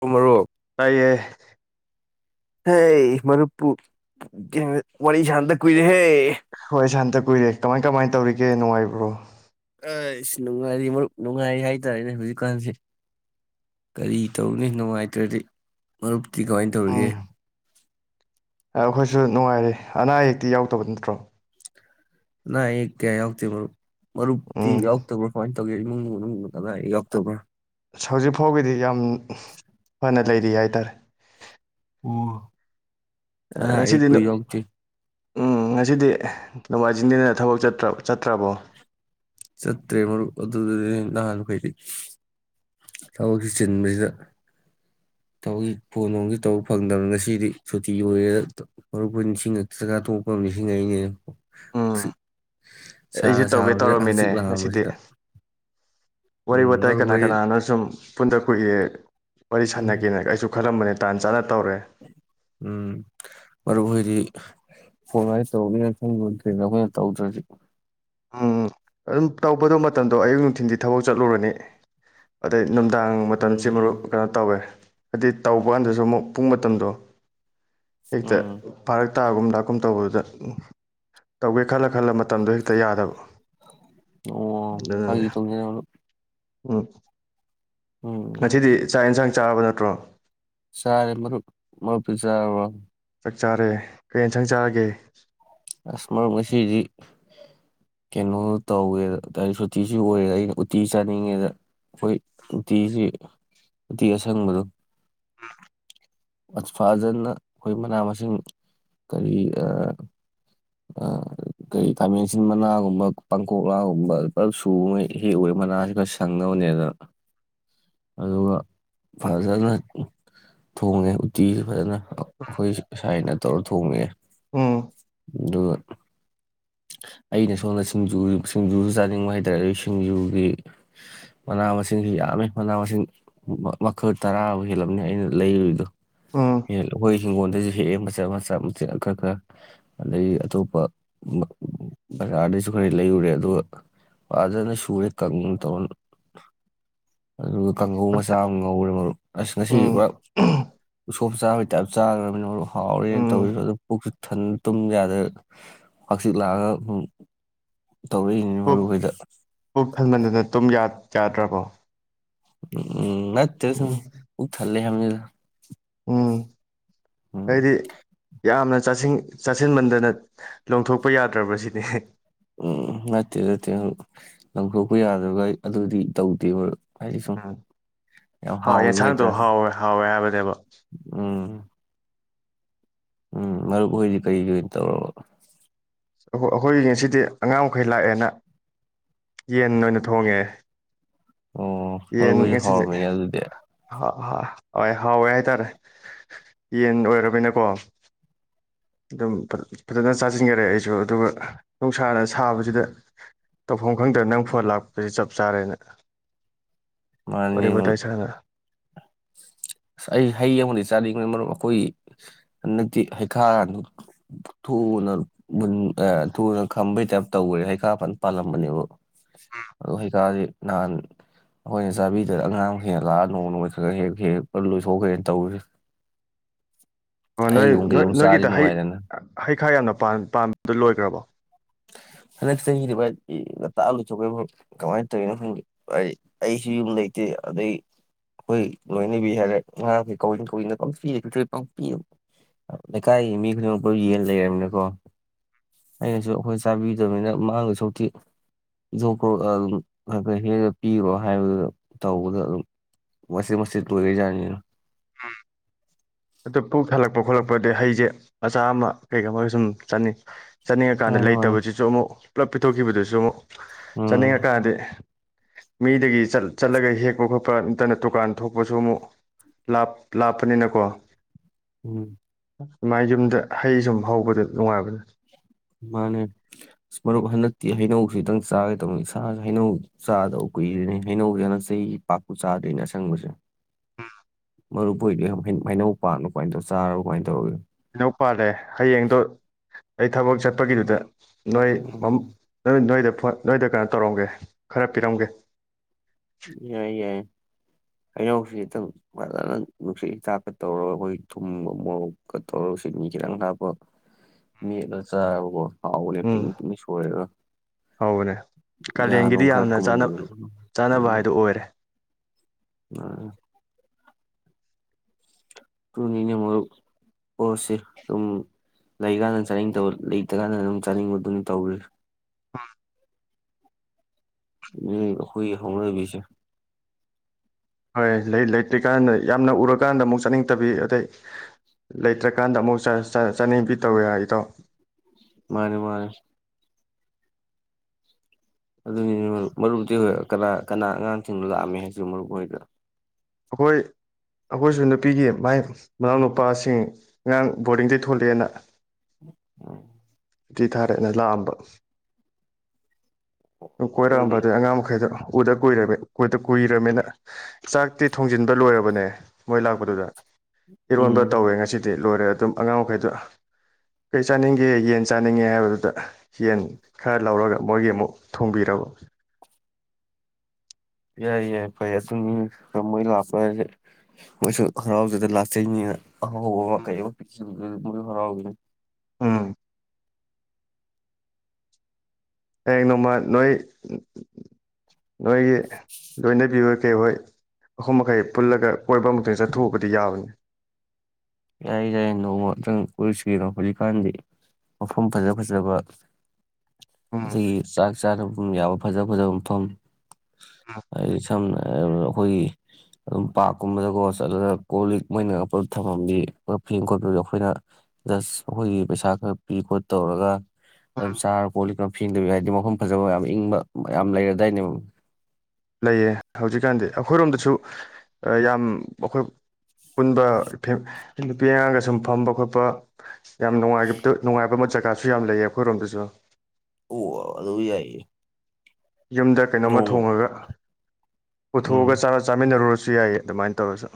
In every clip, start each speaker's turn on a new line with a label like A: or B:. A: ꯃ ꯃꯔꯨꯞ
B: ꯇꯑꯌꯦꯦ
A: ꯍꯦ ꯃꯔ ꯋꯥ ꯁꯥꯟꯗ ꯀꯏꯔ ꯍꯦ
B: ꯍꯣꯏ ꯁꯥꯟꯇ ꯀꯨꯏꯔꯦ ꯀꯃꯥꯏ ꯀꯃꯥꯏꯅ ꯇꯧꯔꯤꯒꯦ ꯅꯨꯡꯉꯥꯏꯕ꯭ꯔꯣ
A: ꯑꯩꯁ ꯅꯨꯡꯉꯥꯏꯔꯤ ꯃꯔꯨꯞ ꯅꯨꯡꯉꯥꯏꯔꯤ ꯍꯥꯏꯇꯥꯔꯦꯅꯦ ꯍꯧꯖꯤꯛꯀꯥꯟꯁꯦ ꯀꯔꯤ ꯇꯧꯅꯤ ꯅꯨꯡꯉꯥꯏ ꯇ꯭ꯔꯗꯤ ꯃꯔꯨꯞ ꯀꯤ ꯀꯃꯥꯏꯅ ꯇꯧꯔꯤꯒꯦ
B: ꯎꯝ ꯑꯩꯈꯣꯏꯁꯨ ꯅꯨꯡꯉꯥꯏꯔꯦ ꯑꯅꯥ ꯑꯌꯦꯛꯇꯤ ꯌꯥꯎꯗꯕ ꯅꯠꯇ꯭ꯔꯣ
A: ꯑꯅꯥ ꯑꯌꯦꯛ ꯀꯌꯥ ꯌꯥꯎ ꯗꯦ ꯃꯔꯨꯞ ꯃꯔꯨꯞꯗꯤ
B: ꯎꯝ
A: ꯌꯥꯎꯔꯛꯇꯕ꯭ꯔꯣ ꯀ ꯇꯧꯒꯦ ꯏꯃꯨꯡ ꯃꯅꯨꯡ ꯑꯗ ꯑꯩ ꯑꯣꯛꯇꯣꯕ꯭ꯔ
B: ꯑꯁ ꯍꯧꯖꯤꯛ ꯐꯥꯎꯒꯤꯗꯤ ꯌꯥꯝ ꯍ ꯅ ꯂꯩꯔꯤ ꯍꯥꯏꯇꯥꯔꯦ
A: ꯑꯣ ꯑ ꯑꯩ
B: ꯉꯁꯤꯗꯤ ꯅꯣ
A: [unintelligible] ꯌꯥꯎ ꯗꯦ
B: ꯎꯝ ꯉꯁꯤꯗꯤ ꯅꯣꯡꯃꯥꯏꯖꯤꯡꯅꯤꯅ ꯊꯕꯛ ꯆꯠꯇ꯭ꯔꯕꯣ
A: ꯆꯠꯇ꯭ꯔꯦ ꯃꯔꯨꯞ ꯑꯗꯨ ꯗꯅꯤꯅꯦ ꯅꯍꯥꯟ ꯊꯕꯛꯁꯤ ꯆꯤꯟꯕꯁꯤꯗ [unintelligible] ꯐꯣꯟ ꯂꯣꯝꯁꯤ ꯇꯧꯕ ꯐꯪꯗꯕ ꯉꯁꯤꯗꯤ ꯁꯨꯇꯤ ꯑꯣꯏꯔꯦ ꯃꯔꯨꯞꯄꯨ ꯅꯤꯡꯁꯤꯡꯉ ꯆꯥꯛ ꯆꯥ ꯇꯣꯛꯄ ꯅꯤꯡꯁꯤꯡꯉꯛꯏ ꯅꯦ
B: ꯎꯝ ꯑꯩꯁꯨ ꯇꯧꯒꯦ ꯇꯧꯔꯝꯃꯤꯅꯦ ꯉꯁꯤꯗꯤ
A: ꯂꯥꯡꯉꯝꯕꯁꯤꯗ
B: ꯋꯥꯔꯤ
A: ꯎꯝ
B: ꯋꯥꯇꯥꯏ
A: ꯃꯔꯨꯞ
B: ꯀꯅꯥ
A: ꯍꯣꯏꯗꯤ
B: ꯀꯅꯥꯅꯣ ꯁꯨꯝ ꯎꯗ ꯀꯨꯏꯔꯦ ꯋꯥꯔꯤ
A: ꯎꯝ
B: ꯁꯥꯟꯅꯒꯦꯅ ꯑꯩꯁꯨ ꯈꯔꯂꯝꯝꯕꯅꯦ ꯇꯥꯟ ꯆꯥ
A: ꯎꯝ ꯃꯔꯨꯞ ꯍꯣꯏꯗꯤ ꯀꯣꯟꯃꯥꯏ ꯇꯧꯅꯤꯅ ꯈꯪꯠꯇꯦꯅ ꯑꯩꯈꯣꯏꯅ ꯇꯧꯗ꯭ꯔꯗꯤ
B: ꯎꯝ ꯑꯗꯨꯝ ꯇꯧꯕꯗꯣ ꯃꯇꯝꯗꯣ ꯑꯌꯨꯛ ꯅꯨꯡꯊꯤꯟꯗꯤ ꯊꯕꯛ ꯆꯠꯂꯨꯔꯅꯤ ꯑꯗꯩ ꯅꯨꯡꯗꯥꯡ ꯃꯇꯝꯁꯤ ꯃꯔꯨꯞ
A: ꯎꯝ
B: ꯀꯩꯅꯣ ꯇꯧꯋꯦ ꯍꯥꯏꯗꯤ ꯇꯧꯕ ꯀꯥꯟꯗꯁꯨ ꯑꯃꯨꯛ ꯄꯨꯡ ꯃꯇꯝꯗꯣ ꯍꯦꯛꯇ
A: ꯎꯝ
B: ꯐꯥꯔꯛ ꯍꯞꯇꯥꯒꯨꯝꯗꯥꯛꯀꯨꯝ ꯇꯧꯕꯗꯨꯗ ꯇꯧꯒꯦ ꯈꯜꯂ ꯈꯜꯂ ꯃꯇꯝꯗꯣ ꯍꯦꯛꯇ ꯌꯥꯗꯕ
A: ꯑꯣ
B: ꯑꯗꯨꯅꯅꯦ
A: ꯑꯩ ꯇꯧꯖꯦ ꯃꯔꯨꯞ
B: ꯎꯝ
A: ꯎꯝ
B: ꯉꯁꯤꯗꯤ ꯆꯥꯛ ꯌꯦꯟꯁꯥꯡ ꯆꯥꯔꯕ ꯅꯠꯇ꯭ꯔꯣ
A: ꯆꯥꯔꯦ ꯃꯔꯨꯞ ꯃꯔꯨꯞ ꯇꯤ ꯆꯥꯔꯕꯣ
B: ꯆꯥꯛ ꯆꯥꯔꯦ ꯀꯩ ꯏꯟꯁꯥꯡ ꯆꯔꯒꯦ
A: ꯑꯁ ꯃꯔꯨꯞ ꯉꯁꯤꯗꯤ ꯀꯩꯅꯣ ꯇꯧꯋꯦꯗ ꯁꯨꯇꯤꯁꯨ ꯑꯣꯏꯔꯦ ꯑꯩꯅ ꯎꯇꯤ ꯆꯥꯅꯤꯡꯉꯦꯗ ꯑꯩꯈꯣꯏ ꯎꯇꯤꯁꯤ ꯎꯇꯤ ꯑꯁꯪꯕꯗꯣ ꯑꯠꯐꯥꯖꯟꯅ ꯑꯩꯈꯣꯏ ꯃꯅꯥ ꯃꯁꯤꯡ ꯀꯔꯤ ꯀꯩ ꯈꯥꯃꯦꯟꯁꯤꯟ ꯃꯅꯥꯒꯨꯝꯕ ꯄꯥꯡꯀꯣꯛꯂꯥꯒꯨꯝꯕ ꯄꯨꯂꯞ ꯁꯨꯉꯩ ꯍꯦꯛꯎꯦ ꯃꯅꯥꯁꯤ ꯄꯨꯔ ꯁꯪꯗꯅꯕꯅꯦꯗꯅ ꯑꯗꯨꯒ ꯐꯖꯅ ꯊꯣꯡꯉꯦ ꯎꯠꯇꯤꯁꯤ ꯐꯖꯅ ꯍꯣꯏ ꯁꯥꯏꯅ ꯇꯧꯔ ꯊꯣꯡꯉꯦ
B: ꯑꯣ
A: ꯑꯗꯨ ꯑꯩꯅ ꯁꯣꯝꯗ ꯁꯤꯡꯖꯨ ꯁꯤꯡꯖꯨꯁꯨ ꯆꯥꯅꯤꯡꯕ ꯍꯥꯏ ꯇꯔꯦ ꯑꯩ ꯁꯤꯡꯖꯨꯒꯤ ꯃꯅꯥ ꯃꯁꯤꯡꯁꯤ ꯌꯥꯝꯃꯦ ꯃꯅꯥ ꯃꯁꯤꯡ ꯃꯈꯜ ꯇꯔꯥꯕꯨ ꯍꯦꯜꯂꯝꯅꯤ ꯑꯩꯅ ꯂꯩꯗꯣ
B: ꯎꯝ
A: ꯑꯩꯈꯣꯏ ꯍꯤꯡꯒꯣꯜꯗꯁꯨ ꯍꯦꯛꯑꯦ ꯃꯆꯥ ꯃꯆꯥ ꯃꯆꯦꯠ ꯈꯔ ꯈꯔ ꯑꯗꯒꯤ ꯑꯇꯣꯞꯄ ꯎ ꯕꯖꯥꯔꯗꯩꯁꯨ ꯈꯔ ꯂꯩꯔꯨꯔꯦ ꯑꯗꯨꯒ ꯐꯖꯅ ꯁꯨꯔꯦ ꯀꯪꯅ ꯇꯧꯔꯒ ꯑꯗꯨꯒ ꯀꯥꯡꯒꯧ ꯃꯆꯥ ꯑꯃ ꯉꯧꯔꯦ ꯃꯔꯨꯞ ꯑꯁ
B: ꯎꯝ
A: ꯉꯁꯤꯗꯤ ꯄꯨꯔꯥ ꯎꯁꯣꯞ ꯆꯥꯕꯩ ꯇꯥꯏꯞ ꯆꯥꯈ꯭ꯔꯕꯅꯤꯅ ꯍꯥꯎꯔꯦꯅ
B: ꯎꯝ
A: ꯇꯧꯔꯤꯁꯨ ꯑꯗꯨ ꯄꯨꯛꯁꯨ ꯊꯟꯅ ꯇꯨꯝ ꯌꯥꯗꯅ ꯍꯪꯆꯤꯛ ꯂꯥꯡꯉꯒ ꯇꯧꯔꯛꯏꯅꯤ
B: ꯄꯨ
A: ꯃꯔꯨꯞ ꯍꯣꯏꯗ
B: ꯄꯨꯛ ꯊꯟꯃꯟꯗꯅ ꯇꯨꯝ ꯌꯥ ꯌꯥꯗ꯭ꯔꯕꯣ
A: ꯎ ꯎꯝ ꯅꯠꯇꯦ ꯁꯨꯝ
B: ꯎꯝ
A: ꯄꯨꯛ ꯊꯜꯂꯦ [unintelligible]
B: ꯎꯝ
A: ꯎꯝ
B: ꯑꯩꯗꯤ ꯌꯥꯝꯅ ꯆꯥꯁꯤꯡ ꯆꯥꯁꯤꯟꯃꯟꯗꯅ ꯂꯣꯡꯊꯣꯛꯄ ꯌꯥꯗ꯭ꯔꯕ ꯁꯤꯅꯤ
A: ꯎꯝ ꯅꯠꯇꯦ ꯅꯠꯇꯦ ꯂꯪꯊꯣꯛꯄ ꯌꯥꯗꯕꯒ ꯑꯗꯨꯗꯤ ꯇꯧꯗꯦ ꯃꯔꯨꯞ ꯍꯥꯏꯗꯤ ꯁꯨꯝ
B: ꯎꯝ
A: ꯌꯥꯝ
B: ꯍꯥꯎ
A: ꯍꯥꯎꯈꯤꯕ
B: ꯌꯦꯟꯁꯥꯡꯗꯣ
A: ꯍꯥꯏꯇꯥꯔꯦ
B: ꯍꯥꯎꯋꯦ ꯍꯥꯎꯋꯦ ꯍꯥꯏꯕ ꯋꯦꯕ
A: ꯎꯝ ꯎꯝ ꯃꯔꯨꯞ ꯍꯣꯏꯗꯤ ꯀꯔꯤ ꯀꯔꯤ ꯑꯣꯏꯅ ꯇꯧꯔꯕ
B: ꯑꯩꯈꯣꯏꯒꯤꯁꯤꯗꯤ ꯑꯉꯥꯡ ꯃꯈꯩ ꯂꯥꯛꯑꯦꯅ ꯌꯦꯟ ꯑꯣꯏꯅ ꯊꯣꯡꯉꯦ
A: ꯑꯣ ꯃꯔꯨꯞ ꯍꯥꯎꯔꯝꯃꯤꯅꯦ ꯑꯗꯨꯗ
B: ꯑ ꯍꯣꯏ ꯍꯥꯎꯋꯦ ꯍꯥꯏꯇꯥꯔꯦ ꯌꯦꯟ ꯑꯣꯏꯔꯕꯅꯀꯣ ꯑꯗꯨꯝ ꯐꯖꯅ ꯆꯥꯁꯤꯟꯈꯔꯦ ꯑꯩꯁꯨ ꯑꯗꯨꯒ ꯅꯨꯡꯁꯥꯅ ꯁꯥꯕꯁꯤꯗ ꯇꯧꯐꯝ ꯈꯪꯗꯕ ꯅꯪ ꯐꯣꯟ ꯂꯥꯛꯄꯁꯤ ꯆꯞ ꯆꯥꯔꯦꯅ ꯋꯥꯔꯤ
A: ꯃꯥꯅꯤ ꯑꯁ
B: ꯋꯥꯇꯥꯏ ꯁꯥꯟꯅ
A: ꯑꯩ ꯍꯩ ꯑꯃꯗꯤ ꯆꯥꯅꯤꯡꯕꯅꯤ ꯃꯔꯨꯞ ꯑꯩꯈꯣꯏ ꯍꯟꯗꯛꯇꯤ ꯍꯩꯈꯥ ꯊꯨꯅ ꯊꯨꯅ ꯈꯝꯕꯩ ꯇꯥꯏꯞ ꯇꯧꯈꯔꯦ ꯍꯩꯈꯥ ꯄꯅ ꯄꯥꯜꯂꯝꯕꯅꯦꯕ ꯑꯗꯣ ꯍꯩꯈꯥꯁꯦ ꯅꯍꯥꯟ ꯑꯩꯈꯣꯏꯅ ꯆꯥꯕꯤꯗ ꯑꯉꯥꯡ ꯍꯦꯛ ꯂꯥꯛꯑꯒ ꯅꯣꯡ ꯅꯣꯡꯃ ꯈ꯭ꯔꯔꯒ ꯍꯦꯛ ꯍꯦꯛ ꯂꯣꯏꯊꯣꯛꯈ꯭ꯔꯦꯅꯦ ꯇꯧꯔꯤꯁꯦ
B: ꯑꯣ ꯅꯣꯏ
A: ꯍꯩꯒꯨꯝ
B: ꯅꯣꯏ
A: ꯀꯩꯒꯨꯝ ꯆꯥꯔꯗꯤ
B: ꯅꯣꯏꯒꯤꯗ ꯍꯩ
A: ꯅꯨꯡꯉꯥꯏꯗꯅ
B: ꯍꯩꯈꯥ ꯌꯥꯝꯅ ꯄꯥꯟꯕꯥꯗꯨ ꯂꯣꯏꯒ꯭ꯔꯕꯣ
A: ꯍꯟꯗꯛ ꯆꯍꯤꯗ ꯂꯇꯥ ꯉꯟꯇꯥ ꯂꯣꯏꯊꯣꯛꯈꯔꯦ ꯃꯔꯨꯞ ꯀꯃꯥꯏꯅ ꯇꯧꯔꯤꯅꯣ ꯈꯪꯗꯦ ꯑꯩꯁꯨ ꯌꯨꯝ ꯂꯩꯇꯦ ꯑꯗꯩ ꯑꯩꯈꯣꯏ ꯂꯣꯏꯅꯕꯤ ꯍꯥꯏꯔꯦ ꯑꯥꯡꯈꯩ ꯀ ꯀꯊ ꯄ ꯂꯩꯀꯥꯏꯒꯤ ꯃꯤ ꯈꯨꯗꯤꯡꯃꯛꯄꯥꯎ ꯌꯦꯟ ꯂꯩꯝꯅꯤꯀꯣ ꯑꯩꯅꯁꯨ ꯑꯩꯈꯣꯏ ꯆꯥꯕꯤꯗꯕꯅꯤꯅ ꯃꯥꯡꯗꯣꯏ ꯁꯔꯨꯛꯇꯤ ꯈ ꯑꯗꯨꯝ ꯈꯔ ꯈ ꯍꯦꯟꯅ ꯄꯤꯈ꯭ꯔꯣ ꯍꯥꯏꯕꯗꯨꯗ ꯇꯧꯕꯗ ꯑꯗꯨꯝ ꯃꯆꯤꯠ ꯃꯆꯤꯠ ꯂꯣꯏꯔ ꯖꯥꯠꯅꯤꯅ
B: ꯎꯝ ꯑꯗꯨ ꯄꯨꯛ ꯊꯥꯂꯛꯄ ꯈꯣꯠꯂꯛꯄꯗ ꯍꯩꯁꯦ ꯃꯆꯥ ꯑꯃ ꯀꯩꯒꯥ ꯑꯃꯒ ꯁꯨꯝ ꯆꯠꯅꯤ ꯆꯥꯅꯤꯡꯉ ꯀꯥꯟꯗ
A: ꯃꯥꯅꯤ ꯃꯥꯅꯤ
B: ꯂꯩꯇꯕꯁꯤꯁꯨ ꯑꯃꯨꯛ ꯄꯨꯂꯞ ꯄꯤꯊꯣꯛꯈꯤꯕꯗꯨꯁꯨ ꯑꯃꯨꯛ
A: ꯎꯝ
B: ꯆꯥꯅꯤꯡꯉ ꯀꯥꯟꯗꯤ ꯃꯤꯗꯒꯤ ꯆꯠꯂꯒ ꯍꯦꯛꯄ ꯈꯣꯠꯄ ꯅꯠꯇꯅ ꯗꯨꯀꯥꯟ ꯊꯣꯛꯄꯁꯨ ꯑꯃꯨꯛ ꯂꯥꯞꯄꯅꯤꯅꯀꯣ
A: ꯎꯝ
B: ꯑꯗꯨꯃꯥꯏ ꯌꯨꯝꯗ ꯍꯩ ꯁꯨꯝ ꯍꯧꯕꯗ ꯅꯨꯡꯉꯥꯏꯕꯅꯦ
A: ꯃꯥꯅꯦ ꯃꯔꯨꯞ ꯍꯟꯗꯛꯇꯤ ꯍꯩꯅꯧꯁꯤ ꯈꯤꯇꯪ ꯆꯥꯒꯦ ꯇꯧꯅꯤ ꯏꯁꯥꯁꯦ ꯍꯩꯅꯧ ꯆꯥꯗ ꯀꯨꯏꯔꯦꯅꯦ ꯍꯩꯅꯧꯁꯦ ꯍꯟꯇꯛꯇꯤ ꯆꯩ ꯄꯥꯛꯄꯨ ꯆꯥꯗꯦꯅꯦ ꯑꯁꯪꯕꯁꯦ ꯃꯔꯨꯨꯞ ꯍꯣꯏꯗꯨꯣ ꯍꯩꯅꯧ ꯄꯥꯟꯕꯔ ꯀꯃꯥꯏꯅ ꯇꯧ ꯆꯥꯔꯒ ꯀꯃꯥꯏꯅ ꯇꯧꯔꯒꯦ
B: ꯀꯩꯅꯣ ꯄꯥꯜꯂꯦ ꯍꯌꯦꯡꯗꯣ ꯑꯩ ꯊꯕꯛ ꯆꯠꯄꯒꯤꯗꯨꯗ ꯅꯣꯏ
A: ꯎꯝ
B: ꯅꯣꯏ ꯅꯣꯏꯗ ꯍꯣꯏ ꯅꯣꯏꯗ ꯀꯩꯅꯣ ꯇꯧꯔꯝꯒꯦ ꯈꯔ ꯄꯤꯔꯝꯒꯦ
A: ꯌꯥꯏ ꯌꯥꯏ ꯍꯍꯧꯁꯤ ꯈꯤꯇꯪ ꯐꯖꯅ ꯅꯨꯡꯁꯤꯠ ꯍꯤꯗꯥꯛꯀ ꯇꯧꯔꯒ ꯑꯩꯈꯣꯏ ꯊꯨꯝꯕ ꯃꯣꯔꯣꯛꯀ ꯇꯧꯔꯒ ꯁꯤ ꯃꯤ ꯈꯤꯇꯪ ꯂꯞꯄ ꯃꯦꯠꯂ ꯆꯥꯔꯕꯀꯣ ꯍꯥꯎꯔꯦ ꯄꯨꯡ ꯄꯅꯤꯡ ꯁꯣꯏꯔꯒ
B: ꯍꯅꯦ
A: ꯌꯥ ꯅꯨꯡ
B: ꯀꯥꯂꯦꯟꯒꯤꯗꯤ
A: ꯈꯔ
B: ꯌꯥꯝꯅ ꯆꯥ
A: ꯀꯨꯝꯍꯟꯕꯗꯣ
B: ꯇꯅꯋꯥꯥꯏꯗ ꯑꯣꯣꯔꯔꯦ
A: ꯎꯝ ꯔꯨꯅꯤꯅ ꯃꯣꯏ ꯄꯣꯠꯁ ꯑꯗꯨꯝ ꯂꯩꯀꯥꯟꯗ ꯆꯥꯅꯤꯡꯗꯕ ꯂꯩꯇꯀꯥꯟꯗ ꯑꯗꯨꯝ ꯆꯥꯅꯤꯡꯕꯗꯨꯅꯤ ꯇꯧꯔꯤ
B: ꯑ
A: ꯎꯝꯈꯣꯏ ꯍꯧꯔꯕꯤꯁ
B: ꯍꯣꯏ ꯂꯩꯇ꯭ꯔꯤꯀꯥꯟꯗ ꯌꯥꯝꯅ ꯎꯔꯀꯥꯟꯗ ꯑꯃꯨꯛ ꯆꯥꯅꯤꯡꯗꯕꯤ ꯑꯗꯩ ꯂꯩꯇ꯭ꯔꯀꯥꯟꯗ ꯑꯃꯨꯛ ꯆꯥꯅꯤꯡꯕꯤ ꯇꯧꯋꯤ ꯍꯥꯏ ꯑꯩꯗꯣ
A: ꯃꯥꯅꯦ ꯃꯥꯅꯦꯦ ꯑꯗꯨꯅꯤ ꯃꯔꯨꯞꯗꯤꯤ ꯍꯣꯏ ꯀꯅꯥ ꯀꯅꯥ ꯑꯉꯥꯡꯁꯤꯡꯅ ꯂꯥꯛꯑꯝꯃꯦ ꯍꯥꯏꯁꯤ ꯃꯔꯨꯞ ꯑꯣꯏꯗꯅ
B: ꯑꯩꯈꯣꯏ ꯑꯩꯈꯣꯏꯁꯨ ꯅꯨꯄꯤꯒꯤ ꯃꯥꯏ ꯃꯅꯥꯎꯅꯨꯄꯥꯁꯤꯡ ꯑꯉꯥꯡ ꯕꯣꯔꯗꯤꯡꯗꯒꯤ ꯊꯣꯂꯛꯦꯅ
A: ꯎꯝ
B: ꯊꯤ ꯊꯥꯔꯦꯅ ꯂꯥꯛꯑꯝꯕ ꯀꯣꯏꯔꯛꯑꯝꯕ
A: ꯑꯗꯨꯗꯤ
B: ꯑꯗꯨꯩ ꯑꯉꯥꯡ ꯃꯈꯩꯗꯣ ꯎꯗ ꯀꯨꯏꯔꯃꯤ ꯀꯨꯏꯗ ꯀꯨꯏꯔꯕꯅꯤꯅ ꯆꯥꯛꯇꯤ ꯊꯣꯡꯖꯤꯟꯕ ꯂꯣꯏꯔꯕꯅꯦ ꯃꯣꯏ ꯂꯥꯛꯄꯗꯨꯗ ꯏꯔꯣꯟꯕ
A: ꯎꯝ
B: ꯇꯧꯋꯦ ꯉꯁꯤꯗꯤ ꯂꯣꯏꯔꯦ ꯑꯗꯨꯝ ꯑꯉꯥꯡ ꯃꯈꯩꯗ ꯀꯩ ꯆꯥꯅꯤꯡꯒꯦ ꯌꯦꯟ ꯆꯥꯅꯤꯡꯉꯦ ꯍꯥꯏꯕꯗꯨꯗ ꯌꯦꯟ ꯈꯔ ꯂꯧꯔꯒ ꯃꯣꯏꯒꯤ ꯑꯃꯨꯛ ꯊꯣꯡꯕꯤꯔꯕ
A: ꯌꯥꯏ ꯌꯥꯏ ꯐꯩ ꯑꯗꯨꯅꯤ ꯃꯣꯏ ꯂꯥꯛꯄ ꯃꯣꯏꯁꯨ ꯍꯔꯥꯎꯗꯨꯗ ꯂꯥꯛꯆꯩꯅꯤꯅ ꯑꯍꯥꯎꯕ ꯑꯃ ꯀꯩ ꯄꯤꯛꯟꯗꯨ ꯃꯣꯏꯁꯨ ꯍꯔꯥꯎꯗꯅꯤ
B: ꯑꯥ ꯍꯌꯦꯡ ꯅꯣꯡꯃ ꯅꯣꯏ ꯅꯣꯏꯒꯤ ꯂꯣꯏꯅ ꯕꯤꯕ ꯀ ꯑꯣꯏꯣꯏ ꯑꯍꯨꯝ ꯃꯈꯩ ꯄꯨꯜꯂꯒ ꯀꯣꯏꯐꯝ ꯑꯗꯨ ꯆꯠꯊꯣꯛꯎꯕꯗꯤ ꯌꯥꯕꯅꯤ
A: ꯌꯥꯏ ꯌꯥꯏ ꯅꯣꯡꯃ ꯅꯇꯪ ꯀꯣꯏꯁꯤꯦꯅꯣ ꯍꯧꯖꯤꯛꯀꯥꯟꯗꯤ ꯃꯐꯝ ꯐꯖ ꯐꯖꯕ
B: ꯎꯝ
A: ꯑꯗ ꯆ ꯆꯥꯅ ꯃꯐꯝ ꯌꯥꯕ ꯐꯖ ꯐꯖꯕ ꯃꯐꯝ ꯑꯩ ꯁꯝꯅ ꯍꯥꯏꯔꯕ ꯑꯩꯈꯣꯏꯒꯤ ꯑꯗꯨꯝ ꯄꯥꯔꯛꯀꯨꯝꯕꯗꯀꯣ ꯆꯠꯂꯒ ꯀꯣ ꯂꯤꯛ ꯃꯩꯅꯉꯛꯄ ꯊꯝꯐꯝꯝꯗꯤ ꯔ ꯄꯤ ꯈꯣꯠꯄꯤꯣ ꯑꯩꯈꯣꯏꯅ ꯖꯁ ꯑꯩꯈꯣꯏꯒꯤ ꯄꯩꯁꯥ ꯈꯔ ꯄꯤ ꯈꯣꯠ ꯇꯧꯔꯒ ꯑꯗꯨ ꯆꯥꯔ ꯀꯣꯂꯤ ꯐꯤꯗꯕꯤ ꯍꯥꯏꯗꯤ ꯃꯐꯝ ꯐꯖꯕ ꯃꯌꯥꯝ ꯏꯪꯕ ꯌꯥꯝꯌꯥꯝ ꯂꯩꯔꯗꯥꯏꯅꯦꯕ
B: ꯂꯩꯌꯦ ꯍꯧꯖꯤꯛꯀꯥꯟꯗꯤ ꯑꯩꯈꯣꯏꯔꯣꯝꯗꯁꯨ ꯌꯥꯝ ꯑꯩꯈꯣꯏ ꯄꯨꯟꯕ ꯅꯨꯄꯤ ꯑꯉꯥꯡꯒ ꯁꯨꯝ ꯐꯝꯕ ꯈꯣꯠꯄ ꯌꯥꯝ ꯉꯥꯏ ꯅꯨꯡꯉꯥꯏꯕ ꯑꯃ ꯖꯒꯥꯁꯨ ꯌꯥꯝ ꯂꯩꯌꯦ ꯑꯩꯈꯣꯏꯔꯣꯝꯗꯁꯨ
A: ꯑꯣ ꯋꯥ ꯑꯗꯨ ꯑꯗꯨꯕꯤ ꯌꯥꯏ
B: ꯌꯨꯝꯗ ꯀꯩꯅꯣꯝꯃ ꯊꯣꯡꯉꯒ
A: ꯎꯝ
B: ꯄꯨꯊꯣꯛꯑꯒ ꯆꯥꯔ ꯆꯥꯃꯤꯟꯅꯔꯨꯔꯁꯤꯦ ꯨ ꯌꯥꯏꯌꯦ ꯑꯗꯨꯃꯥꯏꯅ ꯇꯧꯔꯁꯨ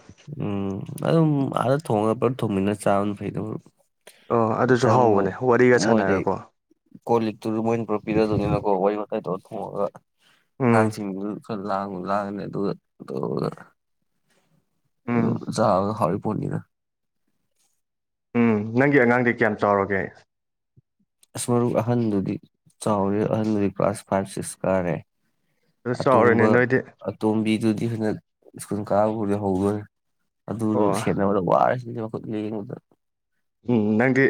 A: ꯎꯝ ꯑꯗꯨꯝ ꯑꯥꯗ ꯊꯣꯡꯉꯒ ꯄꯨꯂꯞ ꯊꯣꯡꯃꯤꯟꯅ ꯆꯥꯕꯅ ꯐꯩꯗ
B: ꯑꯣ ꯑꯗꯨꯁꯨ
A: ꯆꯪꯉꯤꯨ
B: ꯍꯥꯎꯕꯅꯦ ꯋꯥꯔꯤꯒ
A: ꯃꯣꯏꯗꯤ
B: ꯁꯥꯟꯅꯔꯒꯀꯣ
A: ꯀꯣꯜ ꯂꯤꯛꯇꯨ ꯃꯣꯏꯅ ꯄꯨꯔꯛꯄꯤꯤꯔꯗꯅꯤꯅꯀꯣ ꯋꯥꯔꯤ ꯋꯥꯥꯏꯗꯨ ꯍ ꯉ
B: ꯎꯝ
A: ꯆ ꯈ ꯂꯥꯡ ꯂꯥꯡꯅꯦ ꯑꯗꯨ
B: ꯎꯝ
A: ꯆ ꯍꯥꯎꯔ ꯄꯅꯤꯅ
B: ꯎꯝ ꯅꯪꯒꯤ ꯑꯉꯥꯡꯗꯤ ꯀꯌꯥꯝ ꯆꯥꯎꯔꯒꯦ
A: ꯑꯁ ꯃꯔꯛ ꯑꯍꯟꯗꯨꯗꯤ ꯆꯥꯎꯔꯦ ꯑꯍꯟꯗꯨꯗꯤ ꯀ꯭ꯂꯥꯁ ꯐꯥꯏꯚ ꯁꯤꯛꯁ ꯀꯥꯔꯦ
B: ꯑꯗꯨ ꯆꯥꯎꯔꯦꯅꯦ
A: ꯑꯇꯣꯝꯕ
B: ꯅꯣꯏꯗꯤ
A: ꯑꯇꯣꯝꯕꯤꯗꯨꯗꯤ ꯇꯅ ꯁ꯭ꯀꯨꯜ ꯀꯥꯕꯕꯨꯗꯤ ꯍꯧꯧꯕꯣꯏ ꯑꯗꯨ
B: ꯑꯣ
A: ꯁꯦꯠꯅꯕꯗ ꯋꯥꯔ ꯌꯦꯗ
B: ꯎꯝ ꯅꯪꯗꯤ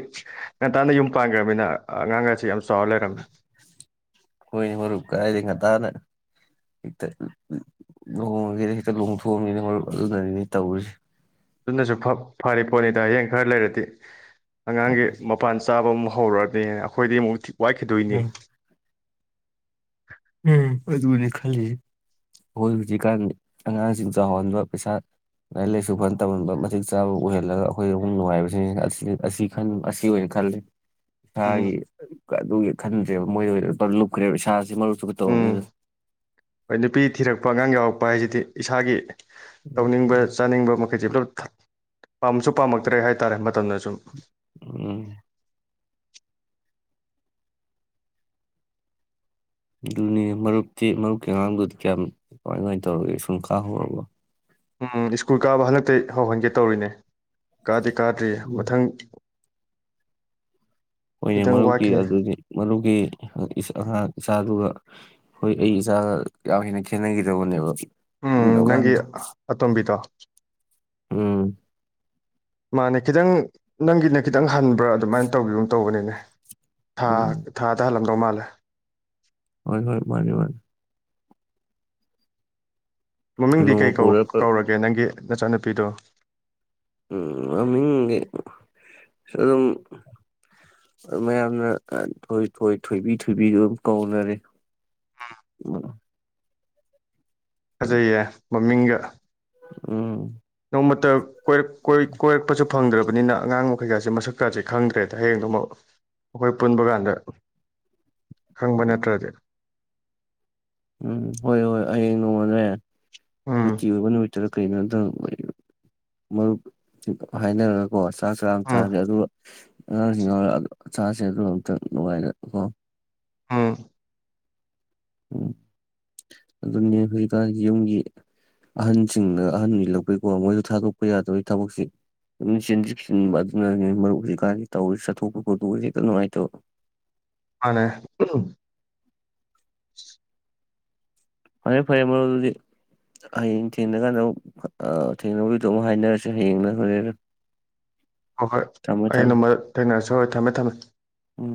B: ꯑꯉꯥꯡꯉꯦ ꯌꯥꯝ ꯆꯥꯎꯔ ꯂꯩꯔꯝꯃꯦ
A: ꯀꯣꯏꯅꯤ ꯍꯔꯕ ꯀꯥꯏ ꯈ ꯑꯅ ꯍꯦꯛꯇ ꯂꯨꯍꯣꯡꯉꯒꯦꯗ ꯍꯦꯛꯇ ꯂꯣꯡꯊꯣꯛꯑꯅꯤꯅ ꯃꯔ ꯑꯗꯨꯅꯅꯤꯅꯦ ꯇꯧꯔꯤꯁꯤꯦ
B: ꯑꯗꯨꯅꯁꯨ ꯐꯔ ꯄꯣꯅꯤꯇꯥ ꯍꯌꯦꯡ ꯈꯔ ꯂꯩꯔꯗꯤ ꯑꯉꯥꯡꯒꯤ
A: ꯎꯝ
B: ꯃꯄꯥꯟ ꯆꯥꯕ ꯑꯃꯨꯛ ꯍꯧꯔꯛꯑꯗꯤ ꯑꯩꯈꯣꯏꯗꯤ ꯑꯃꯨꯛ ꯋꯥꯏꯈꯤꯗꯣꯏꯅꯤ
A: ꯑꯗꯨ ꯑꯣꯏꯅ ꯈꯜꯂꯤ ꯑꯩꯈꯣꯏ ꯍꯧꯖꯤꯛꯀꯥꯟ ꯑꯉꯥꯡꯁꯤꯡ ꯆꯥꯎꯍꯟꯕ ꯄꯩꯁꯥ ꯂꯥꯏꯔꯤꯛ ꯂꯥꯏꯁꯨ ꯐ ꯇꯝꯍꯟꯕ ꯃꯇꯤꯛ ꯆꯥꯕ ꯑꯣꯏꯍꯜꯂꯒ ꯑꯩꯈꯣꯏꯗ ꯑꯃꯨꯛ ꯅꯨꯡꯉꯥꯏꯕꯁꯤꯅꯤ ꯑꯁꯤ ꯑꯣꯏꯅ ꯈꯜꯂꯤ
B: ꯎꯝ
A: ꯍꯥꯏꯦ ꯑꯗꯨꯒꯤ ꯈꯟꯗ꯭ꯔꯦꯕ ꯃꯣꯏꯗ ꯂꯨꯞꯈ꯭ꯔꯦꯕ ꯏꯁꯥꯥꯁ ꯃꯔ ꯇ
B: ꯎꯝ ꯍꯣꯏ ꯅꯨꯄꯤ ꯊꯤꯔꯛꯄ ꯑꯉꯥꯡ ꯌꯥꯎꯔꯛꯄ ꯍꯥꯏꯁꯤꯗꯤ ꯏꯁꯥꯒꯤ ꯇꯧꯅꯤꯡꯕ ꯆꯥꯅꯤꯡꯕ ꯃꯈꯩꯁꯦ ꯄꯨꯂꯞ ꯄꯥꯝꯁꯨ ꯄꯥꯝꯂꯛꯇ꯭ꯔꯦ ꯍꯥꯏꯇꯥꯔꯦ ꯃꯇꯝꯗ ꯁꯨꯝ
A: ꯎꯝ ꯑꯗꯨꯅꯤ ꯃꯔꯨꯞꯇꯤ ꯃꯔꯨꯞꯀꯤ ꯑꯉꯥꯡꯗꯨꯗꯤ ꯀꯌꯥꯝ ꯀꯃꯥꯏ ꯀꯃꯥꯏꯅ ꯇꯧꯔꯒꯦ ꯁꯨꯡ ꯈꯥꯍꯧꯔꯕ
B: ꯎꯝ ꯁ꯭ꯀꯨꯜ ꯀꯥꯕ ꯍꯟꯗꯛꯇꯤ ꯍꯧꯍꯟꯒꯦ ꯇꯧꯔꯤꯅꯦ ꯀꯥ ꯀꯥꯗ꯭ꯔꯤ ꯃꯊꯪ
A: ꯑꯣꯏꯅꯦ
B: ꯈꯤꯇꯪ
A: ꯃꯔꯨꯞꯀꯤ
B: ꯋꯥꯠꯈꯤꯅꯤ
A: ꯑꯗꯨꯗꯤ ꯃꯔꯨꯞꯒꯤ ꯑꯉꯥꯡ ꯏꯆꯥꯗꯨꯒ ꯍꯣꯏ ꯑꯩ ꯏꯆꯥꯒ ꯌꯥꯝ ꯍꯦꯟꯅ ꯈꯦꯠꯅꯈꯤꯗꯧꯕꯅꯦꯕ
B: ꯎꯝ ꯅꯪꯒꯤ ꯑꯇꯣꯝꯕꯤꯗꯣ
A: ꯑꯥ
B: ꯃꯥꯅꯦ ꯈꯤꯇꯪ ꯅꯪꯒꯤꯅ ꯈꯤꯇꯪ ꯍꯟꯕ ꯄꯨꯔꯥ ꯑꯗꯨꯃꯥꯏꯅ ꯇꯧꯕꯤꯒꯨꯝ ꯇꯧꯕꯅꯤꯅꯦ ꯊꯥ
A: ꯎꯝ
B: ꯊꯥ ꯇ ꯍꯜꯂꯝ ꯀꯃꯂ
A: ꯍꯣꯏ ꯍꯣꯏ ꯃꯥꯅꯦ ꯃꯥꯅꯦ
B: ꯃꯃꯤꯡꯗꯤ
A: ꯅꯣꯡꯃ
B: ꯀꯩꯧ
A: ꯄꯨꯔ
B: ꯀꯧꯔꯒꯦ ꯅꯪꯒꯤ ꯅꯆꯥꯅꯨꯄꯤꯔꯣ
A: ꯎꯝ ꯃꯃꯤꯡꯗꯤ ꯑꯗꯨꯝ ꯃꯌꯥꯝꯅ ꯊꯣꯏ ꯊꯣꯏ ꯊꯣꯏꯕꯤ ꯊꯣꯏꯕꯤ ꯑꯗꯨꯝ ꯀꯧꯅꯔꯦ
B: ꯐꯖꯩꯌꯦ ꯃꯃꯤꯡꯒ
A: ꯎꯝ
B: ꯃ ꯣꯏꯣꯏ ꯀꯣꯏ ꯄ ꯐꯪꯗ꯭ꯔꯕꯅꯤꯅ ꯑꯉꯥꯡꯕ ꯀꯩꯀꯥꯁꯦ ꯃꯁꯛ ꯀꯥꯁꯦ ꯈꯪꯗ꯭ꯔꯦꯗ ꯍꯌꯦꯡꯗꯨ ꯑꯃ ꯑꯩꯈꯣꯏ ꯄꯨꯟꯕ ꯀꯥꯟꯗ ꯈꯪꯕ ꯅꯠꯇ꯭ꯔꯗꯤ
A: ꯎꯝ ꯍꯣꯏ ꯍꯣꯏ ꯍꯌꯦꯡ ꯅꯣꯡꯉꯗ꯭ꯔꯦ
B: ꯎꯝ
A: ꯁꯆꯤ ꯑꯣꯏꯅ ꯗ ꯀꯩꯅꯣꯝꯇꯪ ꯃꯔꯨꯞ ꯍꯥꯏꯅꯔꯒꯀꯣ ꯆꯥꯛ ꯆꯥ
B: ꯎꯝ
A: ꯆꯥꯈꯦ ꯑꯗꯨꯒ ꯑꯉꯥꯡꯁꯤꯡ ꯉꯔ ꯆꯁꯦ ꯑꯗꯨ ꯑꯝꯇꯪ ꯅꯨꯡꯉꯥꯏꯅ ꯀꯣ
B: ꯍꯥꯥ
A: ꯎꯝ ꯑꯗꯨꯅꯦ ꯍꯧꯖꯤꯛꯀꯥꯟ ꯌꯨꯝꯒꯤ ꯑꯍꯟꯁꯤꯡꯗ ꯑꯍꯟꯅꯤꯂꯛꯄꯩꯀꯣ ꯃꯣꯏꯗ ꯊꯥꯗꯣꯛꯄ ꯌꯥꯗꯣꯏꯒꯤ ꯊꯕꯛꯁꯤ ꯑꯗꯨ ꯆꯦꯟ ꯆꯁꯤꯟꯕ ꯑꯗꯨꯅꯅꯦ ꯃꯔꯨꯞ ꯍꯧꯖꯤꯛꯀꯥꯟꯗꯤ ꯇꯧꯔꯤꯁꯤ ꯆꯠꯊꯣꯛꯄ ꯈꯣꯠꯇꯣꯛꯁꯤ ꯀ ꯅꯨꯡꯉꯥꯏꯇꯕ
B: ꯍꯅ ꯎ [inaudible]
A: ꯐꯔꯦ ꯐꯔꯦ ꯃꯔꯨꯞ ꯑꯗꯨꯗꯤ ꯍꯌꯦꯡ ꯊꯦꯡꯅꯀꯥꯟꯗ ꯑꯃꯨꯛ ꯊꯦꯡꯅꯕꯗꯨꯗꯣ ꯑꯃꯨꯛ ꯍꯥꯏꯅꯔꯁꯤ ꯍꯌꯦꯡꯅ ꯍꯣꯔꯦꯟꯒ
B: ꯍꯣꯏ ꯍꯣꯏ ꯑꯩ ꯅꯃ ꯊꯦꯡꯅꯔꯁꯤ ꯍꯣꯏ ꯊꯝꯃꯦ ꯊꯝꯃꯦ
A: ꯎꯝ